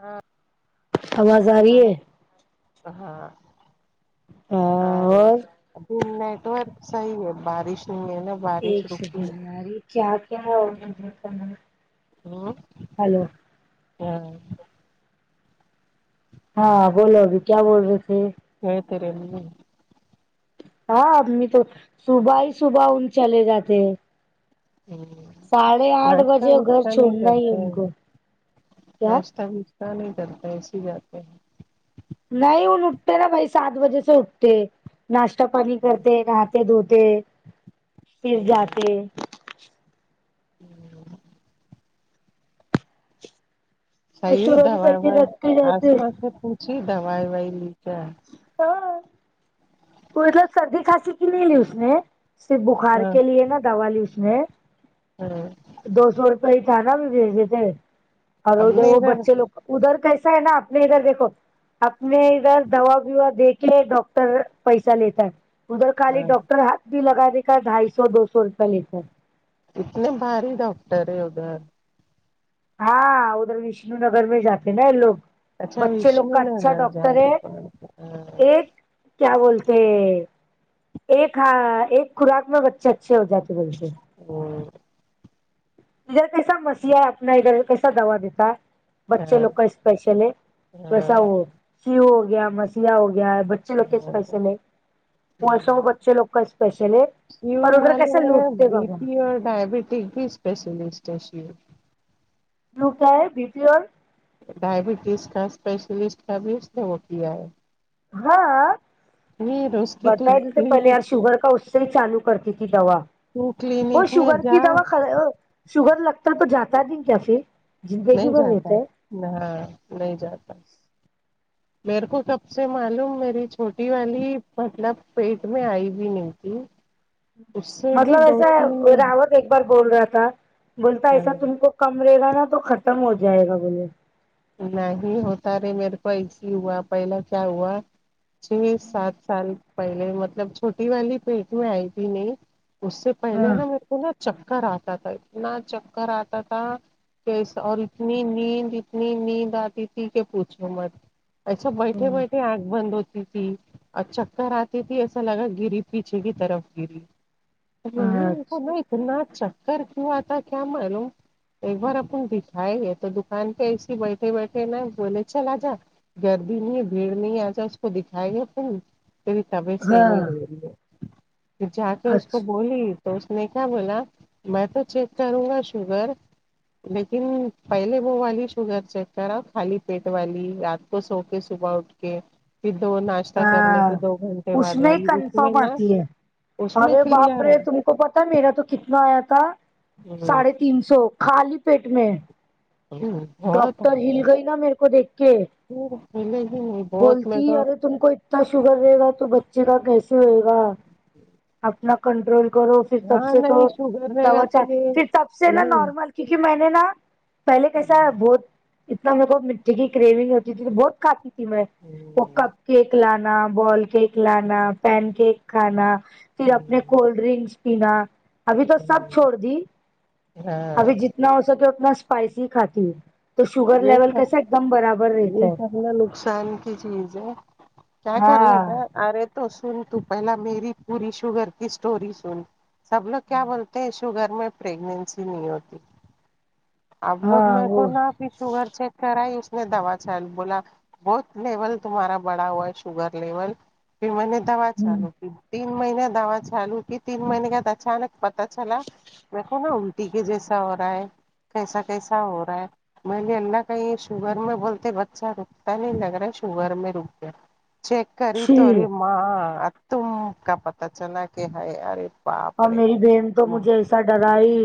ہاں آواز آ رہی ہلو ہے ہاں ہاں آ رئے دن مے تو ابھی صحیح ہے بارش نہیں ہے نا بارش ایک رکی سیکنڈ ہے آری کیا کیا [unintelligible] اور ہلو کیا ہے ہاں بولو ابھی کیا بول رہے تھے گئے تیرے اممی نی ہاں آدمی تو صبح ہی صبح ان چلے جاتے ہیں ساڑھے آٹھ ناشتہ بجے گھر واشتہ نہیں چھوڑنا ہی ان کرتے کو کیا پتہ نہیں چلتا ایسے جاتے ہیں نہیں ان اٹھتے نا بھائی سات بجے سے اٹھتے ناشتہ پانی کرتے رات تے دھوتے ہیں پھر جاتے ہوں صحیح ہوئی مشوری کر دوائی کے وائی رکھتے جاتے اسما سے پوچھی دوائی وائی لی کیا ہاں مطلب سردی کھانسی کی نہیں لی اس نے صرف بخار ہاں کے لیے نا دوا لی اس نے ہوں دو سو روپئے ہی تھا نا ابھی بھیج دیتے اور ادھر وہ بچے لوگ ادھر کیسا ہے نا اپنے ادھر دیکھو اپنے ادھر دوا ووا دے کے ڈاکٹر پیسہ لیتا ہے ادھر خالی ہاں ڈاکٹر ہاتھ بھی لگانے کا ڈھائی سو دو سو روپیہ لیتا ہے اتنے بھاری ڈاکٹر ہے ادھر ہاں ادھر وشنونگر میں جاتے نا یہ لوگ اچھا بچے لوگ وشنو کا اچھا نگر ڈاکٹر جانا ہے پڑتا ہاں ایک کیا بولتے ایک ہاں ایک خوراک میں بچے اچھے ہو جاتے بولتے ادھر کیسا مسیحا اپنا ادھر کیسا دوا دیتا ہے بچے ہاں لوگ کا اسپیشل ہے ہاں جیسا وہ شیو ہو گیا مسیحا ہو گیا ہے چے لوگ کے ہاں اسپیشل ہے ویسے وہ بچے لوگ کا اسپیشل ہے یوں اور ادھر معلوم کیسے ہوا لوٹتے بی بابا پی اور ڈائبٹیز کی اسپیشلسٹ ہے شیو بولو کیا ہے بی پی اور ڈائبٹیز کا اسپیشلسٹ کا بھی اس نے وہ کیا ہے ہاں میر اس کی تو بتائ دیتے پہلے کلینک یار شوگر کا اس چالو کرتی تھی دوا تو وہ کلینک میں شوگر کی جا دوا شوگر لگتا تو جاتا نہیں کیا فر نہیں جاتا ہاں نہیں جاتا میرے کو سب سے معلوم میری چھوٹی والی مطلب پیٹ میں آئی بھی نہیں تھی اس سے بھی مطلب دو ایسا تین راوت ایک بار بول رہا تھا بولتا ایسا ہاں، تم کو کم رہے گا نا تو ختم ہو جائے گا بولے نہیں ہوتا رے میرے کو ایسے ہی ہوا پہلا کیا ہوا چھ سات سال پہلے مطلب چھوٹی والی پیٹ میں آئی تھی نہیں اس سے پہلے ہاں نا میرے کو نا چکر آتا تھا اتنا چکر آتا تھا کہ اس اور اتنی نیند اتنی نیند آتی تھی کہ پوچھو مت ایسا بیٹھے بیٹھے آنکھ بند ہوتی تھی اور چکر آتی تھی ایسا لگا گری پیچھے کی طرف گری نہیں ہاں ایسا اچھا نہیں اتنا چکر کیوں آتا کیا معلوم ایک بار اپن دیکھیے یے تو دکان تو ایسی بیٹھے بیٹھے نا بولے چلا جا گردی نہیں ہے بھیڑ نہیں آجا اس کو دکھائے گے اپن میری طبیعت صحیح نہیں ہاں رہ رہی ہے پھر جا کے اس کو اچھا بولی تو اس نے کیا بولا میں تو چیک کروں گا شوگر لیکن پہلے وہ والی شگر چیک کرا خالی پیٹ والی رات کو سو کے صبح اٹ کے پھر دو ناچ کرنے ہاں کے دو گھنٹے اس بعد میں والی اس میں کنفرم نا آتی ہے اس میں ارے باپ کلیئر رے ہے تم کو پتا میرا تو کتنا آیا تھا ہ ساڑھے تین سو خالی پیٹ میں ہلو ڈاکٹر ہل گئی نا میرے کو دیکھ کے پھر ملے گی نہیں بہت میں بولتی تو ارے تم کو اتنا شوگر رہے گا تو بچے کا کیسے ہوئے گا اپنا کنٹرول کرو پھر تب ہاں سے تو نہیں شوگر رہے دوا گا تو چا یہ پھر تب سے نا نہیں نارمل کیونکی میں نے نا پہلے کیسا بہت اتنا میر کو مٹی کی کرونگ ہوتی تھی بہت کھاتی تھی میں وہ کپ کیک لانا بال کیک لانا پین کیک کھانا تی اپنے کولڈ ڈرنکس پینا ابھی تو سب چھوڑ دی ابھی ہاں جتنے جتنا ہو سکے اتنا اسپائسی کھاتی ہوں تو شوگر یے لیول سب کیسا ایک دم برابر یے رہتا ہے سب نا نقصان کی چیز ہے کیا کرنے ہاں کا ارے تو سن تو پہلا میری پوری شوگر کی اسٹور سن سب لوگ کیا بولتے ہیں شوگر میں پریگننسی نہیں ہوتی اب وہ میرے کو نا شوگر چیک کرائی اس نے دوا چل بولا بہت لیول تمہارا بڑا ہوا ہے شوگر لیول پھر میں نے دوا چالو تین مہینے دوا چالو تھی تین مہینے کے بعد اچانک پتا چلا میکو نا الٹی کے جیسا ہو رہا ہے کیسا کیسا ہو رہا ہے میں نے اللہ کہی شوگر میں بولتے بچہ رکتا نہیں لگ رہا شوگر میں رک گیا چیک کری تو ہ ارے ماں اب تم کا پت چلا کہ ہے رے ہے باپ اور میری بہن تو مجھے ایسا ڈرا ہی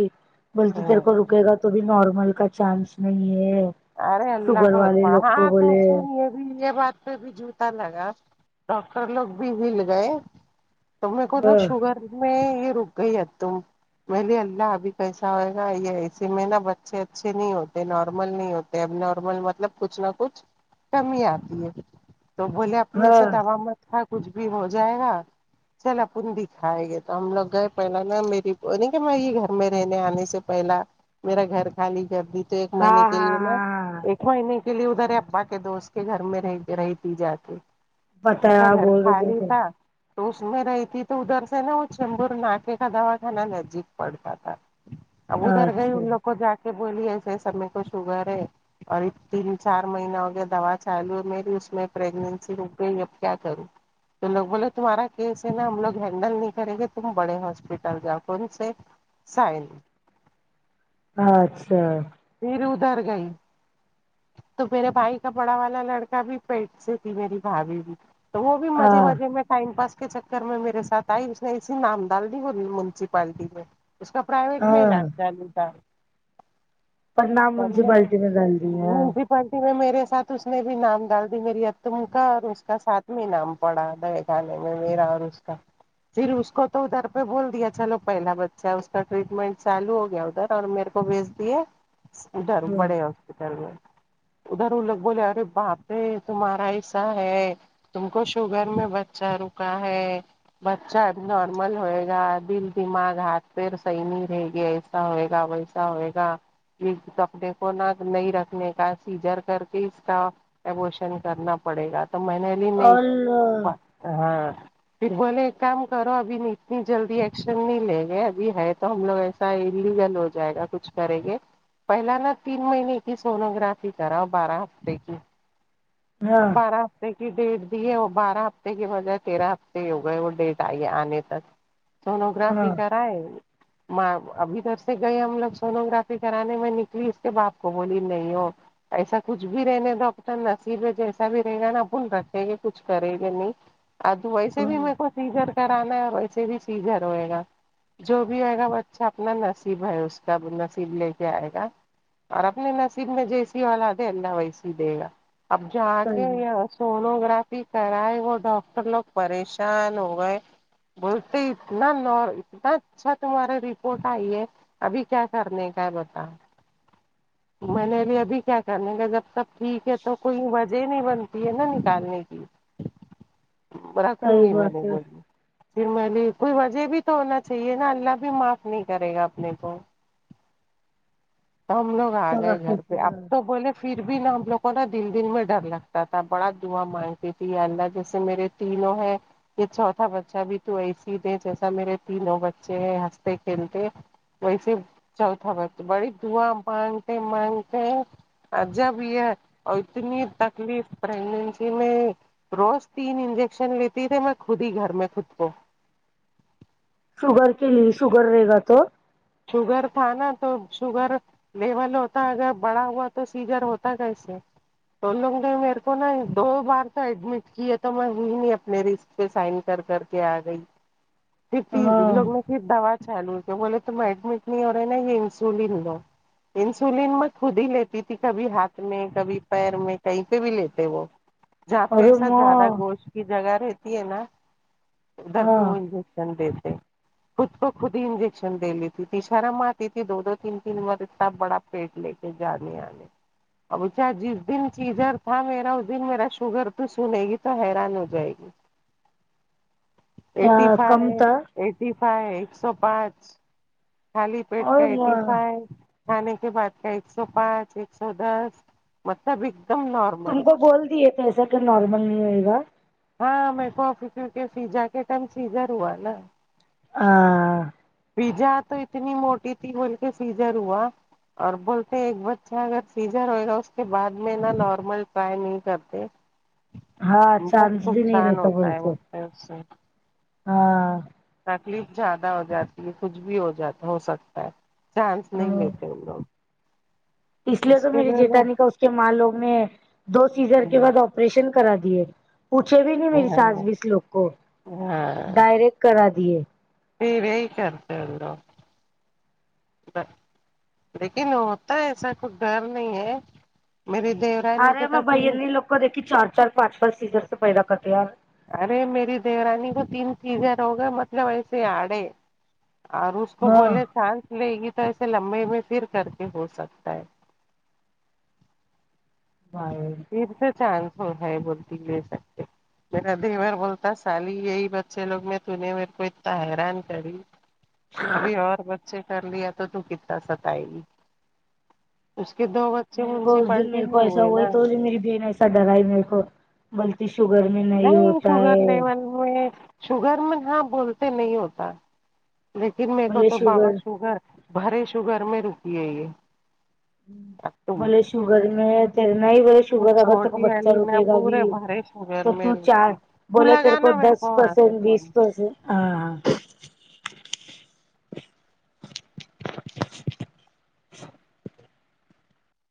بلتی تیر ہاں کو رکے گا تو بھی نارمل کا چانس نہیں ہے ارے اللہ شوگر بہت والے لوگ بڑب کو ہاں تو بولے اسی لیے یے بات پے بھی جھوٹا لگا ڈاکٹر لوگ بھی ہل گئے تو میر کو نا شوگر میں یے رک گئی ہے ایک تم میں بولی اللہ ابھی کیسا ہوئے گا یے اسے میں نا بچے اچھے نہیں ہوتے نارمل نہیں ہوتے اب نارمل مطلب کچھ نہ کچھ کم ہی آتی ہے تو بولے نہیں ہاں ایسا دوا مت کھا کچھ بھی ہو جائے گا چلا اپن دی کھائے گے تو ہم لوگ گئے پہلے نا میری نہیں کی میں یے گھر میں رہنے آنے سے پہلا میرا گھر خالی کر دی تو ایک مہینے ہاں ہاں کے لیے نا ہاں ہاں ایک مہینے کے لیے ادھر ابا کے دوست کے گھر میں رہگی رہتی جاکے اس کا بتایا گھر بول رہے تیرے خالی کو تھا تو اس میں رہی تھی تو ادھر سے نا وہ چندور ناکے کا دوا کھنا نزدیک پڑتا تھا اب ادھر گئی ان لوگ اچھا کو جا کے بولی ایسے ایسا میں کو شگر ہے اور تین چار مہینہ ہو گیا دوا چالو ہے میری اس میں پریگننسی روک گئی اب کیا کروں تو لوگ بولے تمہارا کیس ہے نا ہم لوگ ہینڈل نہیں کریں گے تم بڑے ہاسپٹل جاؤ کون سے سائن اچھا پھر ادھر گئی تو میرے بھائی کا بڑا والا لڑکا بھی پیٹ سے تھی میری بھابھی تو وہ بھی مزے ہاں مزے میں ٹائم پاس کے چکر میں میرے ساتھ آئی اس نے ایسی نام ڈال دی ہو منسیپالٹی میں اس کا پرائیویٹ میں ہاں علاج چالو تھا پرنام منسیپالٹی میں ڈال دی ہیں پٹی میں میرے ساتھ اس نے بھی نام ڈال دی میری ع تم کا اور اس کا ساتھ میں نام پڑا دے اکیلے میں میرا اور اس کا پھر اس کو تو ادھر پے بول دیا چلو پہلا بچہ اس کا ٹریٹمنٹ چالو ہو گیا ادھر اور میرے کو بھیج دیے ہے ادھر ہاں بڑے ہاسپٹل میں ادھر ان لوگ بولے ارے باپ رے تمہارا ایسا ہے تم کو شوگر میں بچہ رکا ہے بچہ اب نارمل ہوئے گا دل دماغ ہاتھ پیر صحیح نہیں رہے گے ایسا ہوئے گا ویسا ہوئے گا یہ کپڑے کو نہ نہیں رکھنے کا سیجر کر کے اس کا ایبوشن کرنا پڑے گا تو میں نے نہیں اللہ ہاں پھر بولے ایک کام کرو ابھی اتنی جلدی ایکشن نہیں لے گے ابھی ہے تو ہم لوگ ایس کی بھی حل ہو جائے گا کچھ کریں گے پہلا نا تین مہینے کی سونو گرافی کراو بارہ ہفتے کی ہاں بارہ تھرٹی ڈیٹ دی ہے وہ بارہ ہفتے کے بجائے تیرہ ہفتے ہو گئے وہ ڈیٹ آئی آنے تک سونو گرافی ہاں کرائے ما ابھی ادھر سے گئے ہم لوگ سونو گرافی کرانے میں نکلی اس کے باپ کو بولی نہیں ہو ایسا کچھ بھی رہنے ڈاکٹر نصیب ہے جیسا بھی رہے گا نا اپن رکھے گے کچھ کرے گے نہیں اتو ویسے بھی میرے کو سیجر کرانا ہے ویسے بھی سیجر ہو گا جو بھی آئے گا وہ بچہ اپنا نصیب ہے اس کا نصیب لے آئے گا اور اپنے نصیب میں جیسی اولاد ہے اللہ ویسی دے گا اب جا صحیح کے ہے یا سونوگرافی کرائے وہ ڈاکٹر لوگ پریشان ہو گئے بولتے اتنا نار اتنا اچھا تمہاری رپورٹ آئی ہے ابھی کیا کرنے کا ہیں بس میں نے ابھی ابھی کیا کرنے کا جب تب ٹھیک ہے تو کوئی وج جہ نہیں بنتی ہے نا نکالنے کی رکھوں صحیح گی میں نے بات ہے بولی فر میں بولی کوئی وجہ بھی تو ہونا چاہیے نا اللہ بھی معاف نہیں کرے گا اپنے کو تو ہم لوگ آ گئے گھر پہ اب تو بولے پھر بھی نا ہم لوگوں کو نا دل دل میں ڈر لگتا تھا بڑا دعا مانگتی تھی اللہ جیسے میرے تینوں ہے یہ چوتھا بچہ بھی تو ایسے ہی دے جیسا میرے تینوں بچے ہیں ہنستے کھیلتے ویسے چوتھا بس بڑی دعا مانگتے مانگتے جب یہ اتنی تکلیف پریگننسی میں روز تین انجیکشن لیتی تے میں خود ہی گھر میں خود کو شوگر کے لی شوگر رے گا تو شوگر تھا نا تو شوگر لیول ہوتا اگر بڑا ہوا تو سیزر ہوتا ہے کیسے تو لوگ نے میرے کو نا دو بار تو ایڈمٹ کیے تو میں ہئی نہیں اپنے ر سائن کر کر کے آ گئی پھر ت ان ہاں لوگو کے دوا چھالو بولے کہ تم ایڈمٹ نہیں ہو رہے نا یہ انسولین لو انسولین میں خود ہی لیتی تھی کبھی ہاتھ میں کبھی پیر میں کہیں پہ بھی لیتے وہ جہاں پہ ارے ایسا ماں زیادہ گوشت کی جگہ رہتی ہے نا ادھر پہ ہاں مے دیتے خود کو خود ہی انجیکشن دے لیتی تھی شارم آتی تھی دو دو تین تین بار انا بڑا پیٹ لے کے جانے آنے ابچ جس دن سیزر تھا میرا اس دن میرا شوگر تو سنے گی تو حیران ہو جائے گی ا ایٹی کم فائیو تھا ایٹی فائی ایک سو پانچ خالی پیٹ کا ایٹی اور فائی کھانے کے بعد کا ایک سو پانچ ایک سو دس مطلب ایک دم نارم تم کو بول دیے تو ایسا کہ نارمل نہیں ہے گا ہاں میں کو کیونکہ فیزا کے ٹائم سیزر ہوا نا ہاں فیزا تو اتنی موٹی تھی بول کے سیزر ہوا اور بولتے ایک بچہ اگر سیزر ہوئے گا اس کے بعد میں نا نارمل ٹرائی نہیں کرتے ہاں چانس بھی نہیں رہتا بولتے ائے سے ہاں تکلیف زیادہ ہو جاتی ہے کچھ بھی ہو جاتا ہو سکتا ہے چانس نہیں لیتے ان لوگ اس لیے تو میری چیتانی کہ اس کے ماں لوگ نے دو سیزر کے بعد پریشن کرا دیے پوچھے بھی نہیں میری سس ہاں بیس لوگ کو ڈائریکٹ کرا دیے پ یہی کرتے ان لوگ لیکن ہوتا ایسا کوچھ ڈر نہیں ہے میری دی آ رہے میں بائیتنی لو کو دیکھیے چار چار پانچ پانچ سیزر سے پیدا کرتے یار ارے میری دیورانی کو تین چیزیں رو گا مطلب ایسے آڑے اور اس کو ہاں بولے چانس لے گی تو ایسے لمبے میں پھر کر کے ہو سکتا ہے وائے پھرسے چانس ہو ہے بولتی لے سکتے میرا دی بار بولتا سالی یہی بچے لوگ میں تو نے میرے کو اتنا حیران کری ابھی اور بچے کر لیا تو تو کتنا ستائے گی اس کے دو وت میرے کو اس دن میرے کو ایسا ہے تو میری بہن ای ایا ڈرائی میرے کو بولتی شوگر میں نہیں ہوتا ہے شوگر لیول شوگر میں ہاں بولتے نہیں ہوتا لیکن میکو تو بابا شوگر بھرے شوگر میں رکیے ہے یہ اب تم بولے شوگر میں تیرے نہیں ب شوگر اگر تکو چھوٹی بچہ والی نا رکے گا بھی پورے بھرے تو شوگر میں ت چار رکی تو بولے تیرے کو لگانا میرے دس وہاں [unintelligible] سے فون ہاں ہاں